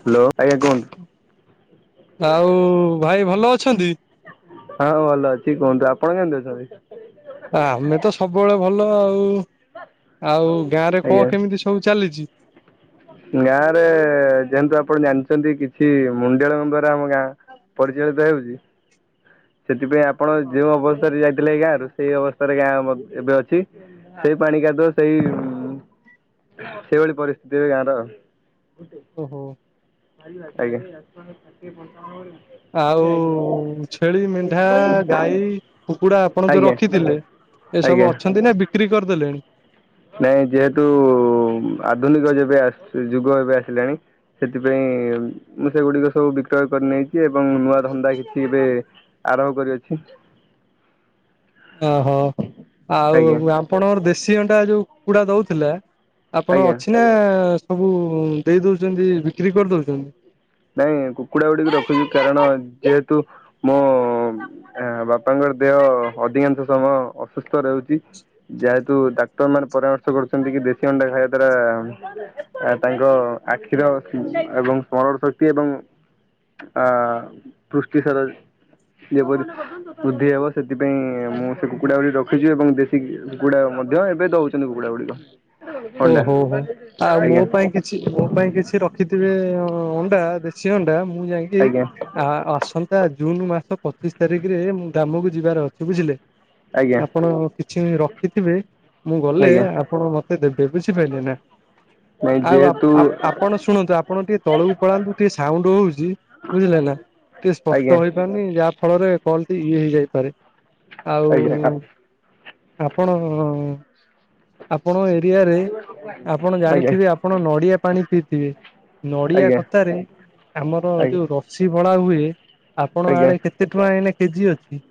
Hello ଆଜ୍ଞା କୁହନ୍ତୁ? ଆଉ ଭାଇ ଭଲ ଅଛନ୍ତି? ହଁ ଭଲ ଅଛି କୁହନ୍ତୁ। ଆପଣ କେମିତି ଅଛନ୍ତି? ଆମେ ତ ସବୁବେଳେ ଭଲ ଆଉ। ଆଉ ଗାଁ ରେ ଆଜ୍ଞା କଣ କେମିତି ସବୁ ଚାଲିଚି? ଗାଁ ରେ ଯେଏନ୍ତୁ ଆପଣ ଜାଣଚନ୍ତି କିଛି ମୁଣ୍ଡିଳ ମୁଣ୍ଡ ରେ ଆମ ଗାଁ ପରିଚାଳିତ ହେଉଚି। ସେଥିପାଇଁ ଆପଣ ଯୋଉଁ ଅବସ୍ଥାରେ ଯାଇଥିଲେ ଏ ଗାଁ ରୁ ସେଇ ଅବସ୍ଥାରେ ଗାଁ ଆମର ଏବେ ଅଛି। ସେଇ ପାଣି କାଦୁଅ ସେଇ ସେଇଭଳି ପରିସ୍ଥିତି ଏବେ ଗାଁର ଆଉ। ଓହୋ। ଆଜ୍ଞା। ଆଉ ଛେଳି, ମେଣ୍ଢା, ଗାଈ, କୁକୁଡା ଆପଣ ଯୋଉ ଆଜ୍ଞା ରଖିଥିଲେ। ଏସବୁ ଆଜ୍ଞା। ଅଛନ୍ତି ନା ବିକ୍ରି କରଦେଲେଣି? ନାଇଁ ଯେହେତୁ ଆଧୁନିକ ଯେବେ ଆସ ଯୁଗ ଏବେ ଆସିଲାଣି। ସେଥିପାଇଁ ମୁଁ ସେଗୁଡିକ ସବୁ ବିକ୍ରୟ କରି ନେଇଚି ଏବଂ ନୂଆ ଧନ୍ଦା କିଛି ଏବେ ଆରମ୍ଭ କରିଅଛି। ଅହ ଆଉ ଆଜ୍ଞା ଆପଣଙ୍କର ଦେଶୀ ଅଣ୍ଡା ଯୋଉ କୁକୁଡା ଦୋଉଥିଲା ଆପଣ ଆଜ୍ଞା ଅଛି ନା ସବୁ ଦେଇ ଦଉଚନ୍ତି ବିକ୍ରି କରଦୋଉଚନ୍ତି? ନାଇଁ କୁକୁଡା ଗୁଡିକୁ ରଖୁଚି କାରଣ ଯେହେତୁ ମୋ ବାପାଙ୍କର ଦେହ ଅଧିକାଂଶ ସମୟ ଅସୁସ୍ଥ ରହୁଚି। ଯାହାତୁ ଡାକ୍ତର ମାନେ ପରାମର୍ଶ କରୁଚନ୍ତି କି ଦେଶୀ ଅଣ୍ଡା ଖାଇବା ଦ୍ଵାରା ତାଙ୍କ ଆଖିର ଏବଂ ସ୍ମରଣ ଶ କ୍ତି ଏବଂ ଆ ପୃଷ୍ଟି ସାର ଯେବରି ବୃଦ୍ଧି ହେବ ସେଥିପାଇଁ ମୁଁ କୁକୁଡା ଗୁଡିକ ରଖିଚି ଏବଂ ଦେଶୀ କୁକୁଡା ମଧ୍ୟ ଏବେ ଦୋଉଚନ୍ତି କୁକୁଡା ଗୁଡିକ। ଅଣ୍ଡା ଆଜ୍ଞା। ଛି ମୋ ପାଇଁ କିଛି ରଖିଥିବେ ଅଣ୍ଡା ଦେଶୀ ଅଣ୍ଡା ମୁଁ ଯାଇଙ୍କି ଆଜ୍ଞା ଆ ଆସନ୍ତା ଜୁନ ମାସ ପଚିଶ ତାରିଖରେ ମୁଁ ଗ୍ରାମକୁ ଯିବାର ଅଛି ବୁଝିଲେ? ଆଜ୍ଞା ଆପଣ କିଛି ବି ରଖିଥିବେ ମୁଁ ଗଲେ ଆଜ୍ଞା ଆପଣ ମତ ଦେବେ ବୁଝି ପାଇଲେ ନା? ନାଇଁ ଆଉ ଯେହେତୁ ଆପ ଆପ୍ ଆପଣ ଶୁଣନ୍ତୁ ଆପଣ ଟିକେ ତଳକୁ ପଳାନ୍ତୁ ଟିକେ ସାଉଣ୍ଡ ହୋଉଚି। ବୁଝିଲେ ନା ଟିକେ ଆଜ୍ଞା ସ୍ପଷ୍ଟ ହୋଇପା ରୁନି। ଯାହା ଫଳରେ କଲଟି ଇଏ ହେଇଯାଇପାରେ। ଆଉ ଆଜ୍ଞା ଆପଣ ଆପଣ ଏରିଆରେ ଆପଣ ଆଜ୍ଞା ଜାଣିଥିବେ ଆପ ଆପଣ ନଡିଆ ପାଣି ପିଇଥିବେ। ନଡିଆ ଆଜ୍ଞା କତାରେ ଆମର ଆଜ୍ଞା ଯୋଉ ର ସି ଭଳା ହୁଏ ଆପଣ ଆଜ୍ଞା ଆଡେ କେତେ ଟଙ୍କା ଏଇନା କେଜି ଅଛି?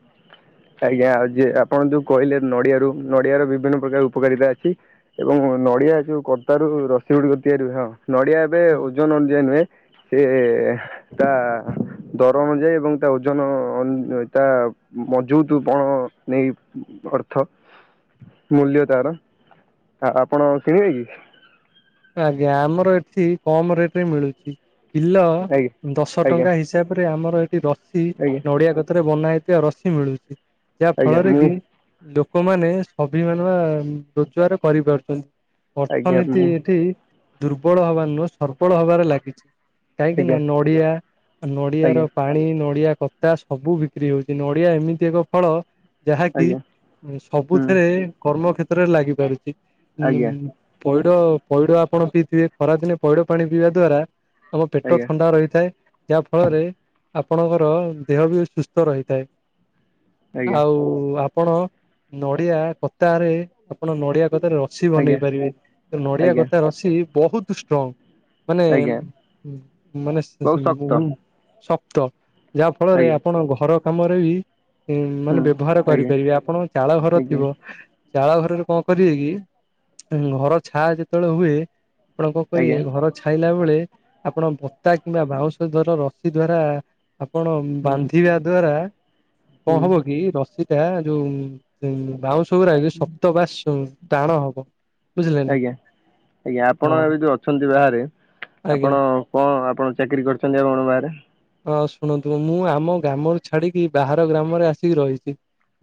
ଆଜ୍ଞା ଆଉ ଯେ ଆପଣ ଯୋଉ କହିଲେ ନଡିଆରୁ ନଡିଆ ର ବିଭିନ୍ନ ପ୍ରକାର ଉପକାରିତା ଅଛି। ଏବଂ ନଡିଆ ଯୋଉ କର୍ତ୍ତାରୁ ରସି ଗୁଡିକ ତିଆରି ହୁଏ। ହଁ ନଡିଆ ଏବେ ହୁଁ ଓଜନ ଅନୁଯାୟୀ ନୁହେଁ। ସେ ତା ଦର ଅନୁଯାୟୀ ଏବଂ ତା ଓଜନ ତା ମ ଯୋଉ ତୁ କଣ ନେଇ ଅର୍ଥ ମୂଲ୍ୟ ତାର। ଆ ଆପଣ କିଣିବେ କି? ଆଜ୍ଞା ଆମର ଏଠି କମ ରେଟରେ ମିଳୁଛି କିଲ ଆଜ୍ଞା ଦଶ ଆଜ୍ଞା ଟଙ୍କା ହିସା ହିସାବରେ ଆମର ଏଠି ରସି ଆଜ୍ଞା ନଡିଆ କତାରେ ବନା ହେଇଥିବା ରସି ମିଳୁଛି। ଯାହା ଆଜ୍ଞା ଫଳରେ ମୁଁ କି ଲୋକମାନେ ସ୍ଵଭିମାନ ବା ରୋଜଗାର କରିପାରୁଛନ୍ତି। ଆଜ୍ଞା ଅର୍ଥନୀତି ମୁଁ ଏଠି ଦୁର୍ବଳ ହବା ନୁହଁ ସର୍ବଳ ହବାରେ ଲାଗିଛି। କାହିଁକି ନା ଆଜ୍ଞା ଆଜ୍ଞା ନଡିଆ, ନଡିଆ ର ଆଜ୍ଞା ହୁଁ ପାଣି, ନଡିଆ କ ତା ସବୁ ବିକ୍ରି ହଉଛି ନଡ଼ିଆ ଏମିତି ଏକ ଫଳ ଯାହାକି ଆଜ୍ଞା ସବୁଥିରେ କର୍ମ କ୍ଷେତ୍ରରେ ଲାଗି ପାରୁଛି ଆଜ୍ଞା ଉ ଆଜ୍ଞା ପଇଡ ପଇଡ଼ ଆପଣ ପିଇ ପିଇ ଖରାଦିନେ ପଇଡ ପାଣି ପିଇବା ଦ୍ଵାରା ତମ ପେଟ ଥଣ୍ଡା ରହିଥାଏ। ଯାହା ଫଳରେ ଆପଣଙ୍କର ଦେହ ବି ସୁସ୍ଥ ରହିଥାଏ। ଆଉ ଆପଣ ନଡିଆ କତାରେ ଆପଣ ନଡିଆ କତାରେ ରସି ବନେଇ ପାରିବେ। ନଡିଆ ଆଜ୍ଞା ଆଜ୍ଞା କତା ରସି ବହୁତ ଷ୍ଟ୍ରଙ୍ଗ। ମାନେ ଆଜ୍ଞା ମାନେ ବହୁତ ଶକ୍ତ ବହୁ- ଶପ୍ତ। ଯାହା ଫଳରେ ଆଜ୍ଞା ଆପଣ ହୁଁ ଘର କାମରେ ବି ମାନେ ବ୍ୟବହାର ଆଜ୍ଞା କରିପାରିବେ ଆପଣଙ୍କ ଚାଳ ଘର ଆଜ୍ଞା ଥିବ। ଚାଳ ଘରରେ କଣ କରିବେ କି ଘର ଛା ଯେତେବେଳେ ହୁଏ ଆପଣ କଣ ଆଜ୍ଞା କରିବେ ଘର ଛାଇଲା ବେଳେ ଆପଣ ବତା କିମ୍ବା ବାଉଁଶ ଦ୍ଵାରା ରସିି ଦ୍ଵାରା ଆପଣ ହୁଁ ବାନ୍ଧିବା ଦ୍ଵାରା କଣ ହୁଁ ହବ କି ରସି ଏ ଯୋଉ ବାଉଁଶ ଗୁରା ଶକ୍ତ ବା ଟାଣ ହବ ବୁଝିଲେ ନା। ଆଜ୍ଞା ଆଜ୍ଞା ଆପଣ ହଁ ଏବେ ଯୋଉ ଅଛନ୍ତି ବାହାରେ ଆଜ୍ଞା। ଆପଣ କଣ ଆପଣ ଚାକିରି କରିଛନ୍ତି ଆପଣ ବାହାରେ ହଁ ଶୁଣନ୍ତୁ ମୁଁ ଆମ ଗ୍ରାମରୁ ଛାଡିକି ବାହାର ଗ୍ରାମରେ ଆସିକି ରହିଛି।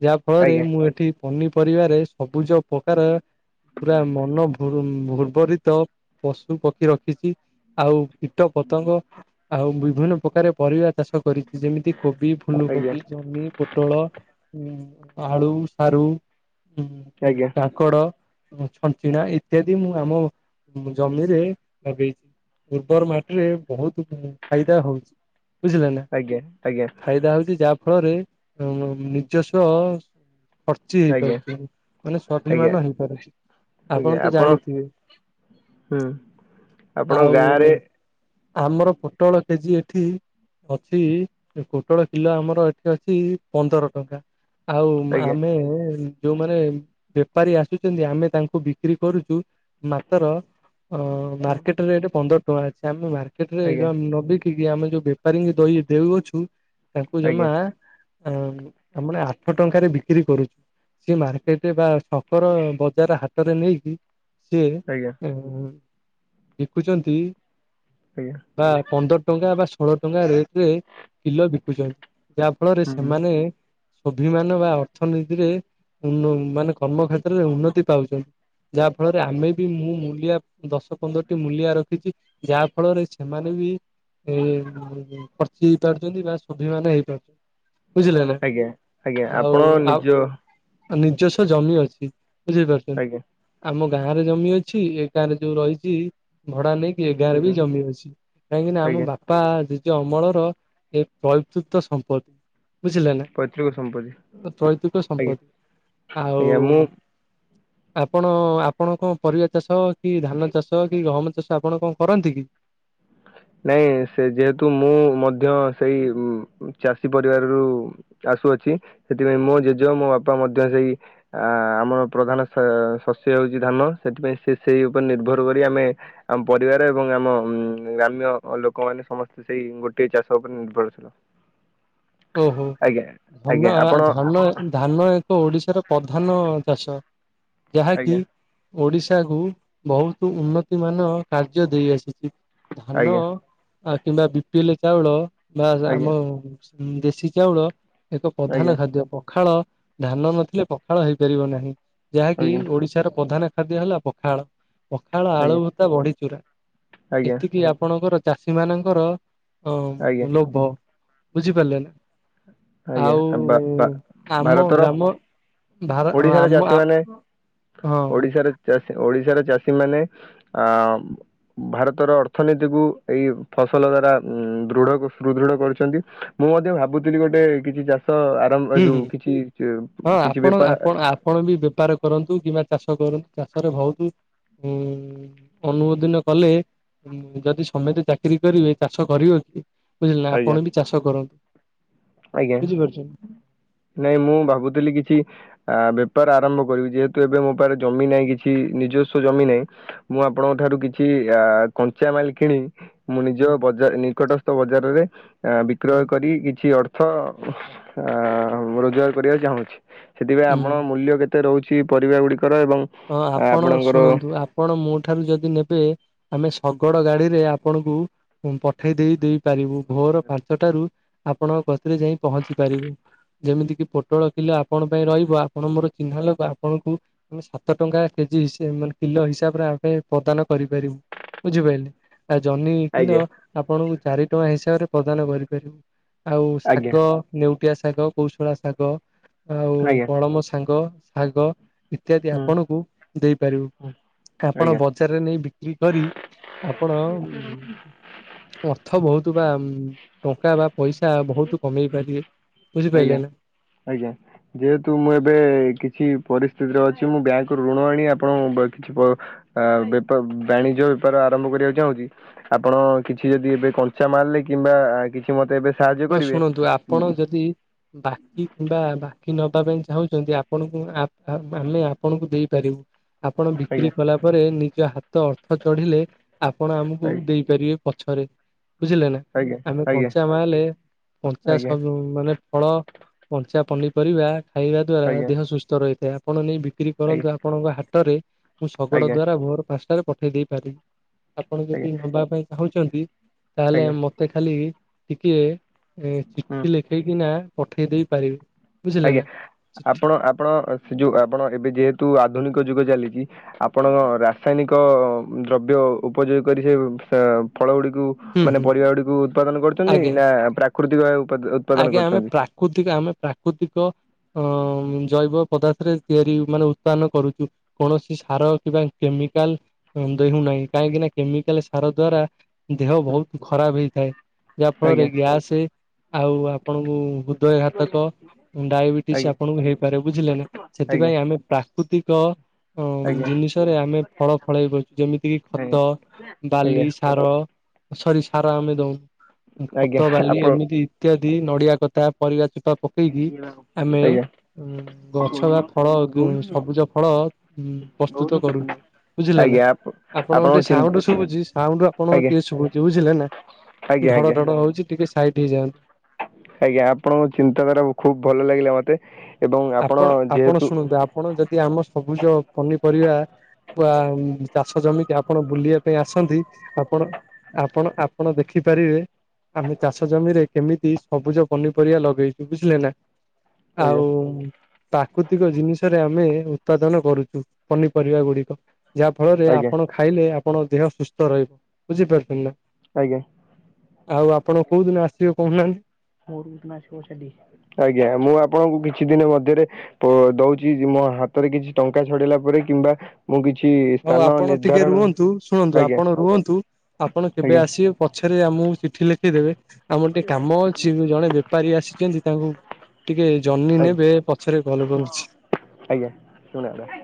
ଯାହା ଫଳରେ ଆଜ୍ଞା ମୁଁ ଏଠି ପନିପରିବାରେ ସବୁଜ ପ୍ରକାର ପୁରା ମନ ଭୁ ଉର୍ବରିତ ପଶୁ ପକ୍ଷୀ ରଖିଛି ଆଉ କୀଟ ପତଙ୍ଗ ଆଉ ବିଭିନ୍ନ ପ୍ରକାର ପରିବା ଚାଷ କରିଛି ଯେମିତି କୋବି ଆଜ୍ଞା ଫୁଲକୋବି ଜହ୍ନି ପ ପୋଟଳ ଆଳୁ ସାରୁ ଆଜ୍ଞା କାଙ୍କଡ ଛଞ୍ଚିଣା ଇତ୍ୟାଦି ମୁଁ ଆମ ଜମିରେ ଲଗେଇଛି। ଉର୍ବର ମାଟିରେ ବହୁତ ଫାଇଦା ହଉଛି। ବୁଝିଲେ ନା ଆଜ୍ଞା ଆଜ୍ଞା ଫାଇଦା ହଉଛି ଯାହା ଫଳରେ ନିଜସ୍ୱ ଖର୍ଚ୍ଚ କିଛି ଆଜ୍ଞା ଆଜ୍ଞା ହେଇପାରୁଚୁ ମାନେ ସ୍ଵାଭିମାନ ଆଜ୍ଞା ହେଇପାରୁଛି ଆପଣ ତ ଜାଣିଥିବେ ହୁଁ ଆପଣଙ୍କ ଆଉ ଗାଁରେ ଆମର ପୋଟଳ କେଜି ଏ ଠି ଅଛି ପୋଟଳ କିଲୋ ଆମର ଏଠି ଅଛି ପନ୍ଦର ଟଙ୍କା। ଆଉ ଆଜ୍ଞା ଆମେ ଯୋଉମାନେ ବେପାରୀ ଆସୁଛନ୍ତି ଆମେ ତାଙ୍କୁ ବିକ୍ରି କରୁଛୁ ମାତର ଅ ମାର୍କେଟ ରେଟ ପନ୍ଦର ଟଙ୍କା ଅଛି ଆମେ ମାର୍କେଟରେ ଆଜ୍ଞା ନବି କି ଆମେ ଯୋଉ ବେପାରୀଙ୍କୁ ଦଇ ଦେଉଅଛୁ ତାଙ୍କୁ ଆଜ୍ଞା ଆଜ୍ଞା ଜମା ଆ ଆ ମାନେ ଆଠ ଟଙ୍କାରେ ବିକ୍ରି କରୁଛୁ। ସେ ମାର୍କେଟରେ ବା ଶଙ୍କର ବଜାର ହାଟରେ ନେଇକି ସିଏ ଆଜ୍ଞା। ଏଁ ଦେଖୁଛନ୍ତି। ଆଞା। ବା ପନ୍ଦର ଟଙ୍କା ବା ଷୋହଳ ଟଙ୍କା ରେଟ ରେ କିଲୋ ବିକୁଛନ୍ତି ଯାହା ଫଳରେ ସେମାନେ ସ୍ୱାଭିମାନ ବା ଅର୍ଥନୀତିରେ ଉ ମାନେ କର୍ମକ୍ଷେତ୍ର ଉନ୍ନତି ପାଉଚନ ଯାହା ଫଳରେ ଆମେ ବି ମୁଁ ମୂଲିଆ ଦଶ ପନ୍ଦରଟି ମୂଲିଆ ରଖିଛି ଯାହା ଫଳରେ ସେମାନେ ବି ଏଁ ଖର୍ଚି ହେଇ ପାରୁଛନ୍ତି ନାଁ ସ୍ୱାଭିମାନ ହେଇପାରୁଛନ୍ତି? ବୁଝିଲେ ନାଁ ଆଜ୍ଞା ଆଜ୍ଞା ଆପଣ ଆଉଁ ଆଉଁ। ନିଜ ଆଁ ନିଜସ୍ୱ ଜମି ଅଛି ବୁଝିପାରୁଛନ୍ତି। ଆଜ୍ଞା ଆମ ଗାଁ ରେ ଜମି ଅଛି। ଏ ଗାଁ ରେ ଯୋଉଁ ରହିଛି ଭଡା ନେଇକି ଏ ଗାଁରେ ବି ଆଜ୍ଞା ଜମି ଅଛି। କାହିଁକି ନାଁ ଆମେ ଆଜ୍ଞା ବାପା ଜେଜ ଅମଳର ଏ ପୈତୃକ ସମ୍ପତ୍ତି। ବୁଝିଲେ ପୈତୃକ ସମ୍ପତ୍ତି ନାଁ ପ୍ରୈତୃକ ଆଜ୍ଞା ସମ୍ପତ୍ତି ଆଉ ଆଜ୍ଞା ମୁଁ [inaudible] ଆପଣ ଆପଣ କଣ ପରିବା ଚାଷ କି ଧାନ ଚାଷ କି ଗହମ ଚାଷ ଆପଣ କଣ କରନ୍ତି କି? ନାଇଁ ସେ ଯେହେତୁ ମୁଁ ମଧ୍ୟ ସେଇ ଚାଷୀ ପରିବାରରୁ ଆସୁଅଛି ସେଥିପାଇଁ ମୋ ଜେଜେ ମୋ ବାପା ମଧ୍ୟ ସେଇ ଆ ଆମର ପ୍ରଧାନ ସ ଶସ୍ୟ ହଉଛି ଧାନ ସେଥିପାଇଁ ସେ ସେଇ ଉପରେ ନିର୍ଭର କରି ଆମେ ଆମ ପରିବାର ଏବଂ ଆମ ଉ ଲୋକମାନେ ସମସ୍ତେ ସେଇ ଗୋଟଏ ଚାଷ ଉପରେ ନିର୍ଭରଶୀଳ। ଓ ହୋ ଆଜ୍ଞା ତମା ଆଜ୍ଞା ଆପଣ ଧାନେ ଧାନ ଏକ ଓଡିଶାର ପ୍ରଧାନ ଅଁ ଚାଷ ଆଜ୍ଞା ଯାହାକି ଓଡିଶା କୁ ବହୁତ ଉନ୍ନତି ମାନ କାର୍ଯ୍ୟ ଦେଇ ଆସିଛି। ଧାନ ଆଜ୍ଞା ଆଁ କିମ୍ବା ବି ପି ଏ ଲେ ଚାଉଁଳ ବା ଆଜ୍ଞା ଆଜ୍ଞା ଗ୍ରାମ ଉଁ ଦେଶୀ ଚାଉଁଳ ଏକ ପ୍ରଧାନ ଆଜ୍ଞା ଖାଦ୍ୟ ପଖାଳ ଧାନ ନଥିଲେ ପଖାଳ ହେଇପାରିବ ନାହିଁ ଯାହାକି ଓଡିଶାର ପ୍ରଧାନ ଖାଦ୍ୟ ହେଲା ପଖାଳ। ପଖାଳ ଆଳୁ ଆଜ୍ଞା ଭରତା ବଢିଚୁରା ଆଜ୍ଞା ଏତିକି ଆପଣଙ୍କର ଚାଷୀ ମାନଙ୍କର ଆଜ୍ଞା ହଁ ଲୋଭ ବୁଝିପାରିଲେ ନାଁ। ଆଜ୍ଞା ବା- ଆଉଁ ବା- ଆମ ଭାରତର ଗ୍ରାମ ଭାରା ହଁ ଓଡ଼ିଶାର ଆମ ହାଁ ଚାଷୀମାନେ ଆମ ହଁ। ଓଡିଶାର ଚାଷୀ ଓଡିଶାର ଚାଷୀ ମାନେ ଏଅଁ ଭାରତର ଅର୍ଥନୀତିକୁ ଏଇ ଫସଲ ଦ୍ଵାରା ଉଁମଁ ଦୃଢ ସୁଦୃଢ କରୁଛନ୍ତି। ମୁଁ ମଧ୍ୟ ଭାବୁଥିଲି ଗୋଟେ କିଛି ଚାଷ ଆର ତମର ହୁଁ ହୁଁ। ଯୋଉଁ କିଛି ଚେ କିଛି ବେପାର ଆଁ ମୁଇଁ ବି ବେପାର କରନ୍ତୁ କିମ୍ବା ଚାଷ କରନ୍ତୁ ଚାଷରେ ବହୁତ ଉଁମଁ ଅନୁମୋଦିନ କଲେ। ଯଦି ସମେସ୍ତେ ଚାକିରି କରିବେ ଚାଷ କରିବ କିଏ ବୁଝିଲେ ନାଁ ଆଜ୍ଞା ଆପଣ ବି ଚାଷ କରନ୍ତୁ। ଆଜ୍ଞା। ବୁଝିପାରୁଛନ୍ତି ନାଇଁ ମୁଁ ଭାବୁଥିଲି କିଛି? ଆଁ ବେପାର ଆରମ୍ଭ କରିବି ଯେହେତୁ ଏବେ ମୋ ପାଖରେ ଜମି ନାହିଁ କିଛି ନିଜସ୍ଵ ଜମି ନାହିଁ ମୁଁ ଆପଣଙ୍କ ଠାରୁ କିଛି ଆଁ କଞ୍ଚା ମାଲ କିଣିବି। ମୁଁ ନିଜ ହୁଁ ବଜାର ନିକଟସ୍ଥ ବଜାରରେ ହଁ ବିକ୍ରୟ କରି କିଛି ଅର୍ଥ ଅର୍ଥ ଅଁ ରୋଜଗାର କରିବାକୁ ଚାହୁଁଛି। ସେଥିପାଇଁ ହୁଁ। ଆପଣ ମୂଲ୍ୟ କେତେ? କେତେ ରହୁଛି? ପରିବା ଗୁଡ଼ିକର ଏବଂ ହଁ ଆ, ଆପଣ ଆପଣଙ୍କର ଶୁଣନ୍ତୁ ଆପଣ ମୋ ଠାରୁ ଯଦି ନେବେ। ଆମେ ଶଗଡ ଗାଡିରେ ଆପଣଙ୍କୁ ପଠେଇ ଦେଇ ଦେଇ ପାରିବୁ। ଭୋର ପାଞ୍ଚଟାରୁ ଆପଣଙ୍କ କତିରେ ଯାଇ ପହଞ୍ଚି ପାରିବେ। ଯେମିତି କିି ପୋଟଳ କିଲୋ ଆପଣ ପାଇଁ ରହିବ ଆପଣ ମୋର ଚିହ୍ନା ଲୋକ ଆପଣଙ୍କୁ ସାତ ଟଙ୍କା କେଜି ସେ ମାନେ କିଲୋ ହିସାବରେ ଆମେ ପ୍ରଦାନ କରିପାରିବୁ ବୁଝିପାଇଲେ। ଆଁ ଜହ୍ନି କିଲୋ ଆଜ୍ଞା ଆପଣଙ୍କୁ ଚାରି ଟଙ୍କା ହିସାବରେ ପ୍ରଦାନ କରିପାରିବୁ। ଆଉ ଆଜ୍ଞା ଶାଗ ନେଉଟିଆ, ଶାଗ କୌଶଳା ଶାଗ ଆଉ ଆଜ୍ଞା କଳମ ଶାଗ ଶାଗ ଇତ୍ୟାଦି ହୁଁ ଆପଣଙ୍କୁ ଦେଇପାରିବୁ ହୁଁ ଆପଣ ଆଜ୍ଞା ବଜାରରେ ନେଇ ବିକ୍ରି କରି ଆପଣ ଅର୍ଥ ବହୁତ ବା ଟଙ୍କା ବା ପଇସା ବହୁତ କମେଇ ପାରିବେ ଆଜ୍ଞା ବୁଝିପାରିଲେ ନା। ଆଜ୍ଞା ଯେହେତୁ ମୁଁ ଏବେ କିଛି ପରିସ୍ଥିତିରେ ଅଛି ମୁଁ ବ୍ୟାଙ୍କରୁୁ ଋଣ ଆଣି ଆପଣ କିଛି ଆ ବେପ ବାଣିଜ୍ୟ ବେପାର ଆରମ୍ଭ କରିବାକୁ ଚାହୁଁଛି। ଆପଣ କିଛି ଯଦି ଏବେ କଞ୍ଚା ମାଲ୍ ନେଇ କିମ୍ବା କିଛି ମତେ ଏବେ ସାହାଯ୍ୟ ହଁ କରିବେ ଶୁଣନ୍ତୁ ଉଁ, ଆପଣ ଯଦି ବାକି କିମ୍ବା ବାକି ନବା ପାଇଁ ଚାହୁଁଛନ୍ତି ଆପଣଙ୍କୁ [unintelligible] ହେଲା। ଆପଣଙ୍କୁ ଦେଇପାରିବୁ। ଆପଣ ବିକ୍ରି ଆଜ୍ଞା କଲା ପରେ ନିଜ ହାତ ଅର୍ଥ ଚଢିଲେ ଆପଣ ଆମକୁ ଆଜ୍ଞା ଦେଇ କରିବେ ପଛରେ ବୁଝିଲେ ନା ଆଜ୍ଞା ଆମେ ଆଜ୍ଞା କଞ୍ଚା ମାଲେ କଞ୍ଚା ଆଜ୍ଞା ସବୁ ମାନେ ଫଳ କଞ୍ଚା ପନିପରିବା ଖାଇବା ଦ୍ଵାରା ଆଜ୍ଞା ଦେହ ସୁସ୍ଥ ରହିଥାଏ। ଆପଣ ନେଇ ବିକ୍ରି କରନ୍ତୁ ଆପଣଙ୍କ ହାଟରେ ମୁଁ ଶଗଡ଼ ଆଜ୍ଞା ଆଜ୍ଞା ଦ୍ଵାରା ଭୋର ପାଞ୍ଚଟାରେ ପକେଇ ଦେଇ ପାରିବି। ଆପଣ ଆଜ୍ଞା ଯଦି ନବା ପାଇଁ ଚାହୁଁଛନ୍ତି ତାହେଲେ ଆଜ୍ଞା ମତେ ଖାଲି ଟିକେ ଏ ହୁଁ ଚିଠି ଲେଖେଇକି ନା ପଠେଇ ଦେଇ ପାରିବେ। ବୁଝିଲେ ଆଜ୍ଞା ନା। ଚିଠି ଆପଣ ଆପଣ ସେ ଯୋଉ ଆପଣ ଏବେ ଯେହେତୁ ଆଧୁନିକ ଯୁଗ ଚାଲିଛି। ଆପଣ ରାସାୟନିକ ଦ୍ରବ୍ୟ ଉପଯୋଗ କରି ସେ ଫଳ ଗୁଡିକୁ ହୁଁ ମାନେ ହୁଁ ପରିବା ଗୁଡିକୁ ଉତ୍ପାଦନ କରୁଛନ୍ତି ଆଜ୍ଞା ନା ପ୍ରାକୃତିକ ଭାବେ ଉତ୍ପାଦନ ଆଜ୍ଞା ଆମେ କରୁଛନ୍ତି। ପ୍ରାକୃତିକ ଆମେ ପ୍ରାକୃତିକ ଅ ଜୈବ ପଦାର୍ଥରେ ତିଆରି ମାନେ ଉତ୍ଥାାନ କରୁଛୁ। କୌଣସି ସାର କିମ୍ବା କେମିକାଲ ଦ ହଉନାହିଁ କାହିଁକି ନା କେମିକାଲ ସାର ଦ୍ଵାରା ଦେହ ହୁଁ ବହୁତ ଖରାପ ହେଇଥାଏ ଯାହା ଆଜ୍ଞା ଫଳରେ ଗ୍ୟାସ ଆଉ ଆପଣଙ୍କୁ ହୃଦୟ ଘାତକ ଡାଇବେଟିସ ଆଜ୍ଞା ଆପଣଙ୍କୁ ହେଇପାରେ ବୁଝିଲେ ନା ଆଜ୍ଞା ସେଥିପାଇଁ ଆମେ ପ୍ରାକୃତିକ ହଁ ଆଜ୍ଞା ଜିନିଷରେ ଆମେ ଫଳ ଫଳେଇ ଦଉଚୁ ଯେମିତି କିି ଆଜ୍ଞା ଖତ ବାଲି ଆଜ୍ଞା ସାର ସରି ସାର ଆମେ ଦଉନୁ ଆଜ୍ଞା ଖତ ବାଲି ଆପଣ ଏମିତି ଇତ୍ୟାଦି ନଡିଆ କତା ପରିବାଚୋପା ପକ ଆଜ୍ଞା। ଉଁ ଗଛ ବା ଫଳ ସବୁଜ ଫଳ ପ୍ରସ୍ତୁତ କରୁଚୁ। ବୁଝିଲେ ନା ଆଜ୍ଞା ଆପ ଆପଣଙ୍କ ଟିକେ ସାଉଣ୍ଡ ଶୁଭୁଚି ସାଉଣ୍ଡ ଆପଣଙ୍କ ଆଜ୍ଞା ଟିକେ ଶୁଭୁଚି ବୁଝିଲେ ନା। ଆଜ୍ଞା ଧଡ଼ ଆଜ୍ଞା ଧଡ଼ ହଉଚି ଟିକେ ସାଇଟ ହେଇଯାଆନ୍ତୁ। ଆଜ୍ଞା ଆପଣଙ୍କ ଚିନ୍ତାଧାରା ଖୁବ ଭଲ ଲାଗିଲା ମତେ ଏବଂ ଆପଣ ଯେହେତୁ ଆପଣ ଯଦି ଆମ ସବୁଜ ପନିପରିବା ବା ଚାଷ ଜମିିକି ଆପଣ ବୁଲିବା ପାଇଁ ଆସନ୍ତି ଆପଣ ଆପଣ ଆପଣ ଦେଖିପାରିବେ ଆମେ ଚାଷ ଜମିରେ କେମିତି ସବୁଜ ପନିପରିବା ଲଗେଇଚୁ, ବୁଝିଲେ ନା ଆଜ୍ଞା ଆଉ ପ୍ରାକୃତିକ ଜିନିଷରେ ଆମେ ଉତ୍ପାଦନ କରୁଚୁ ପନିପରିବା ଗୁଡିକ। ଯାହା ଫଳରେ ଆଜ୍ଞା ଆପଣ ଖାଇଲେ ଆପଣ ଦେହ ସୁସ୍ଥ ରହିବ ବୁଝିପାରୁଚନ୍ତି ନା। ଆଜ୍ଞା। ଆଉ ଆପଣ କୋଉ ଦିନ ଆସିବେ କହୁନାହାନ୍ତି? ଆଜ୍ଞା ମୁଁ ଆପଣଙ୍କୁ କିଛି ଦିନ ମଧ୍ୟରେ ପୁଅ ଦଉଚି ମୋ ହାତରେ କିଛି ଟଙ୍କା ଛଡେଇଲା ପରେ, କିମ୍ବା ମୁଁ କିଛି ଇ ହଉ ଆପଣ ଟିକେ ରୁହନ୍ତୁ, ଶୁଣନ୍ତୁ, ଆପଣ ରୁହନ୍ତୁ, ଆପଣ କେବେ ଆଜ୍ଞା ଆସିବେ କ ପଛରେ ଆମକୁ ଚିଠି ଲେଖିଦେବେ, ଆମର ଟିକେ କାମ ଅଛି, ଜଣେ ବେପାରୀ ଆସିଚନ୍ତି, ତାଙ୍କୁ ଟିକେ ଜହ୍ନି ଆଜ୍ଞା ନେବେ, ପଛରେ କଲ୍ କରୁଚି। ଆଜ୍ଞା ଶୁଣାଗଲା।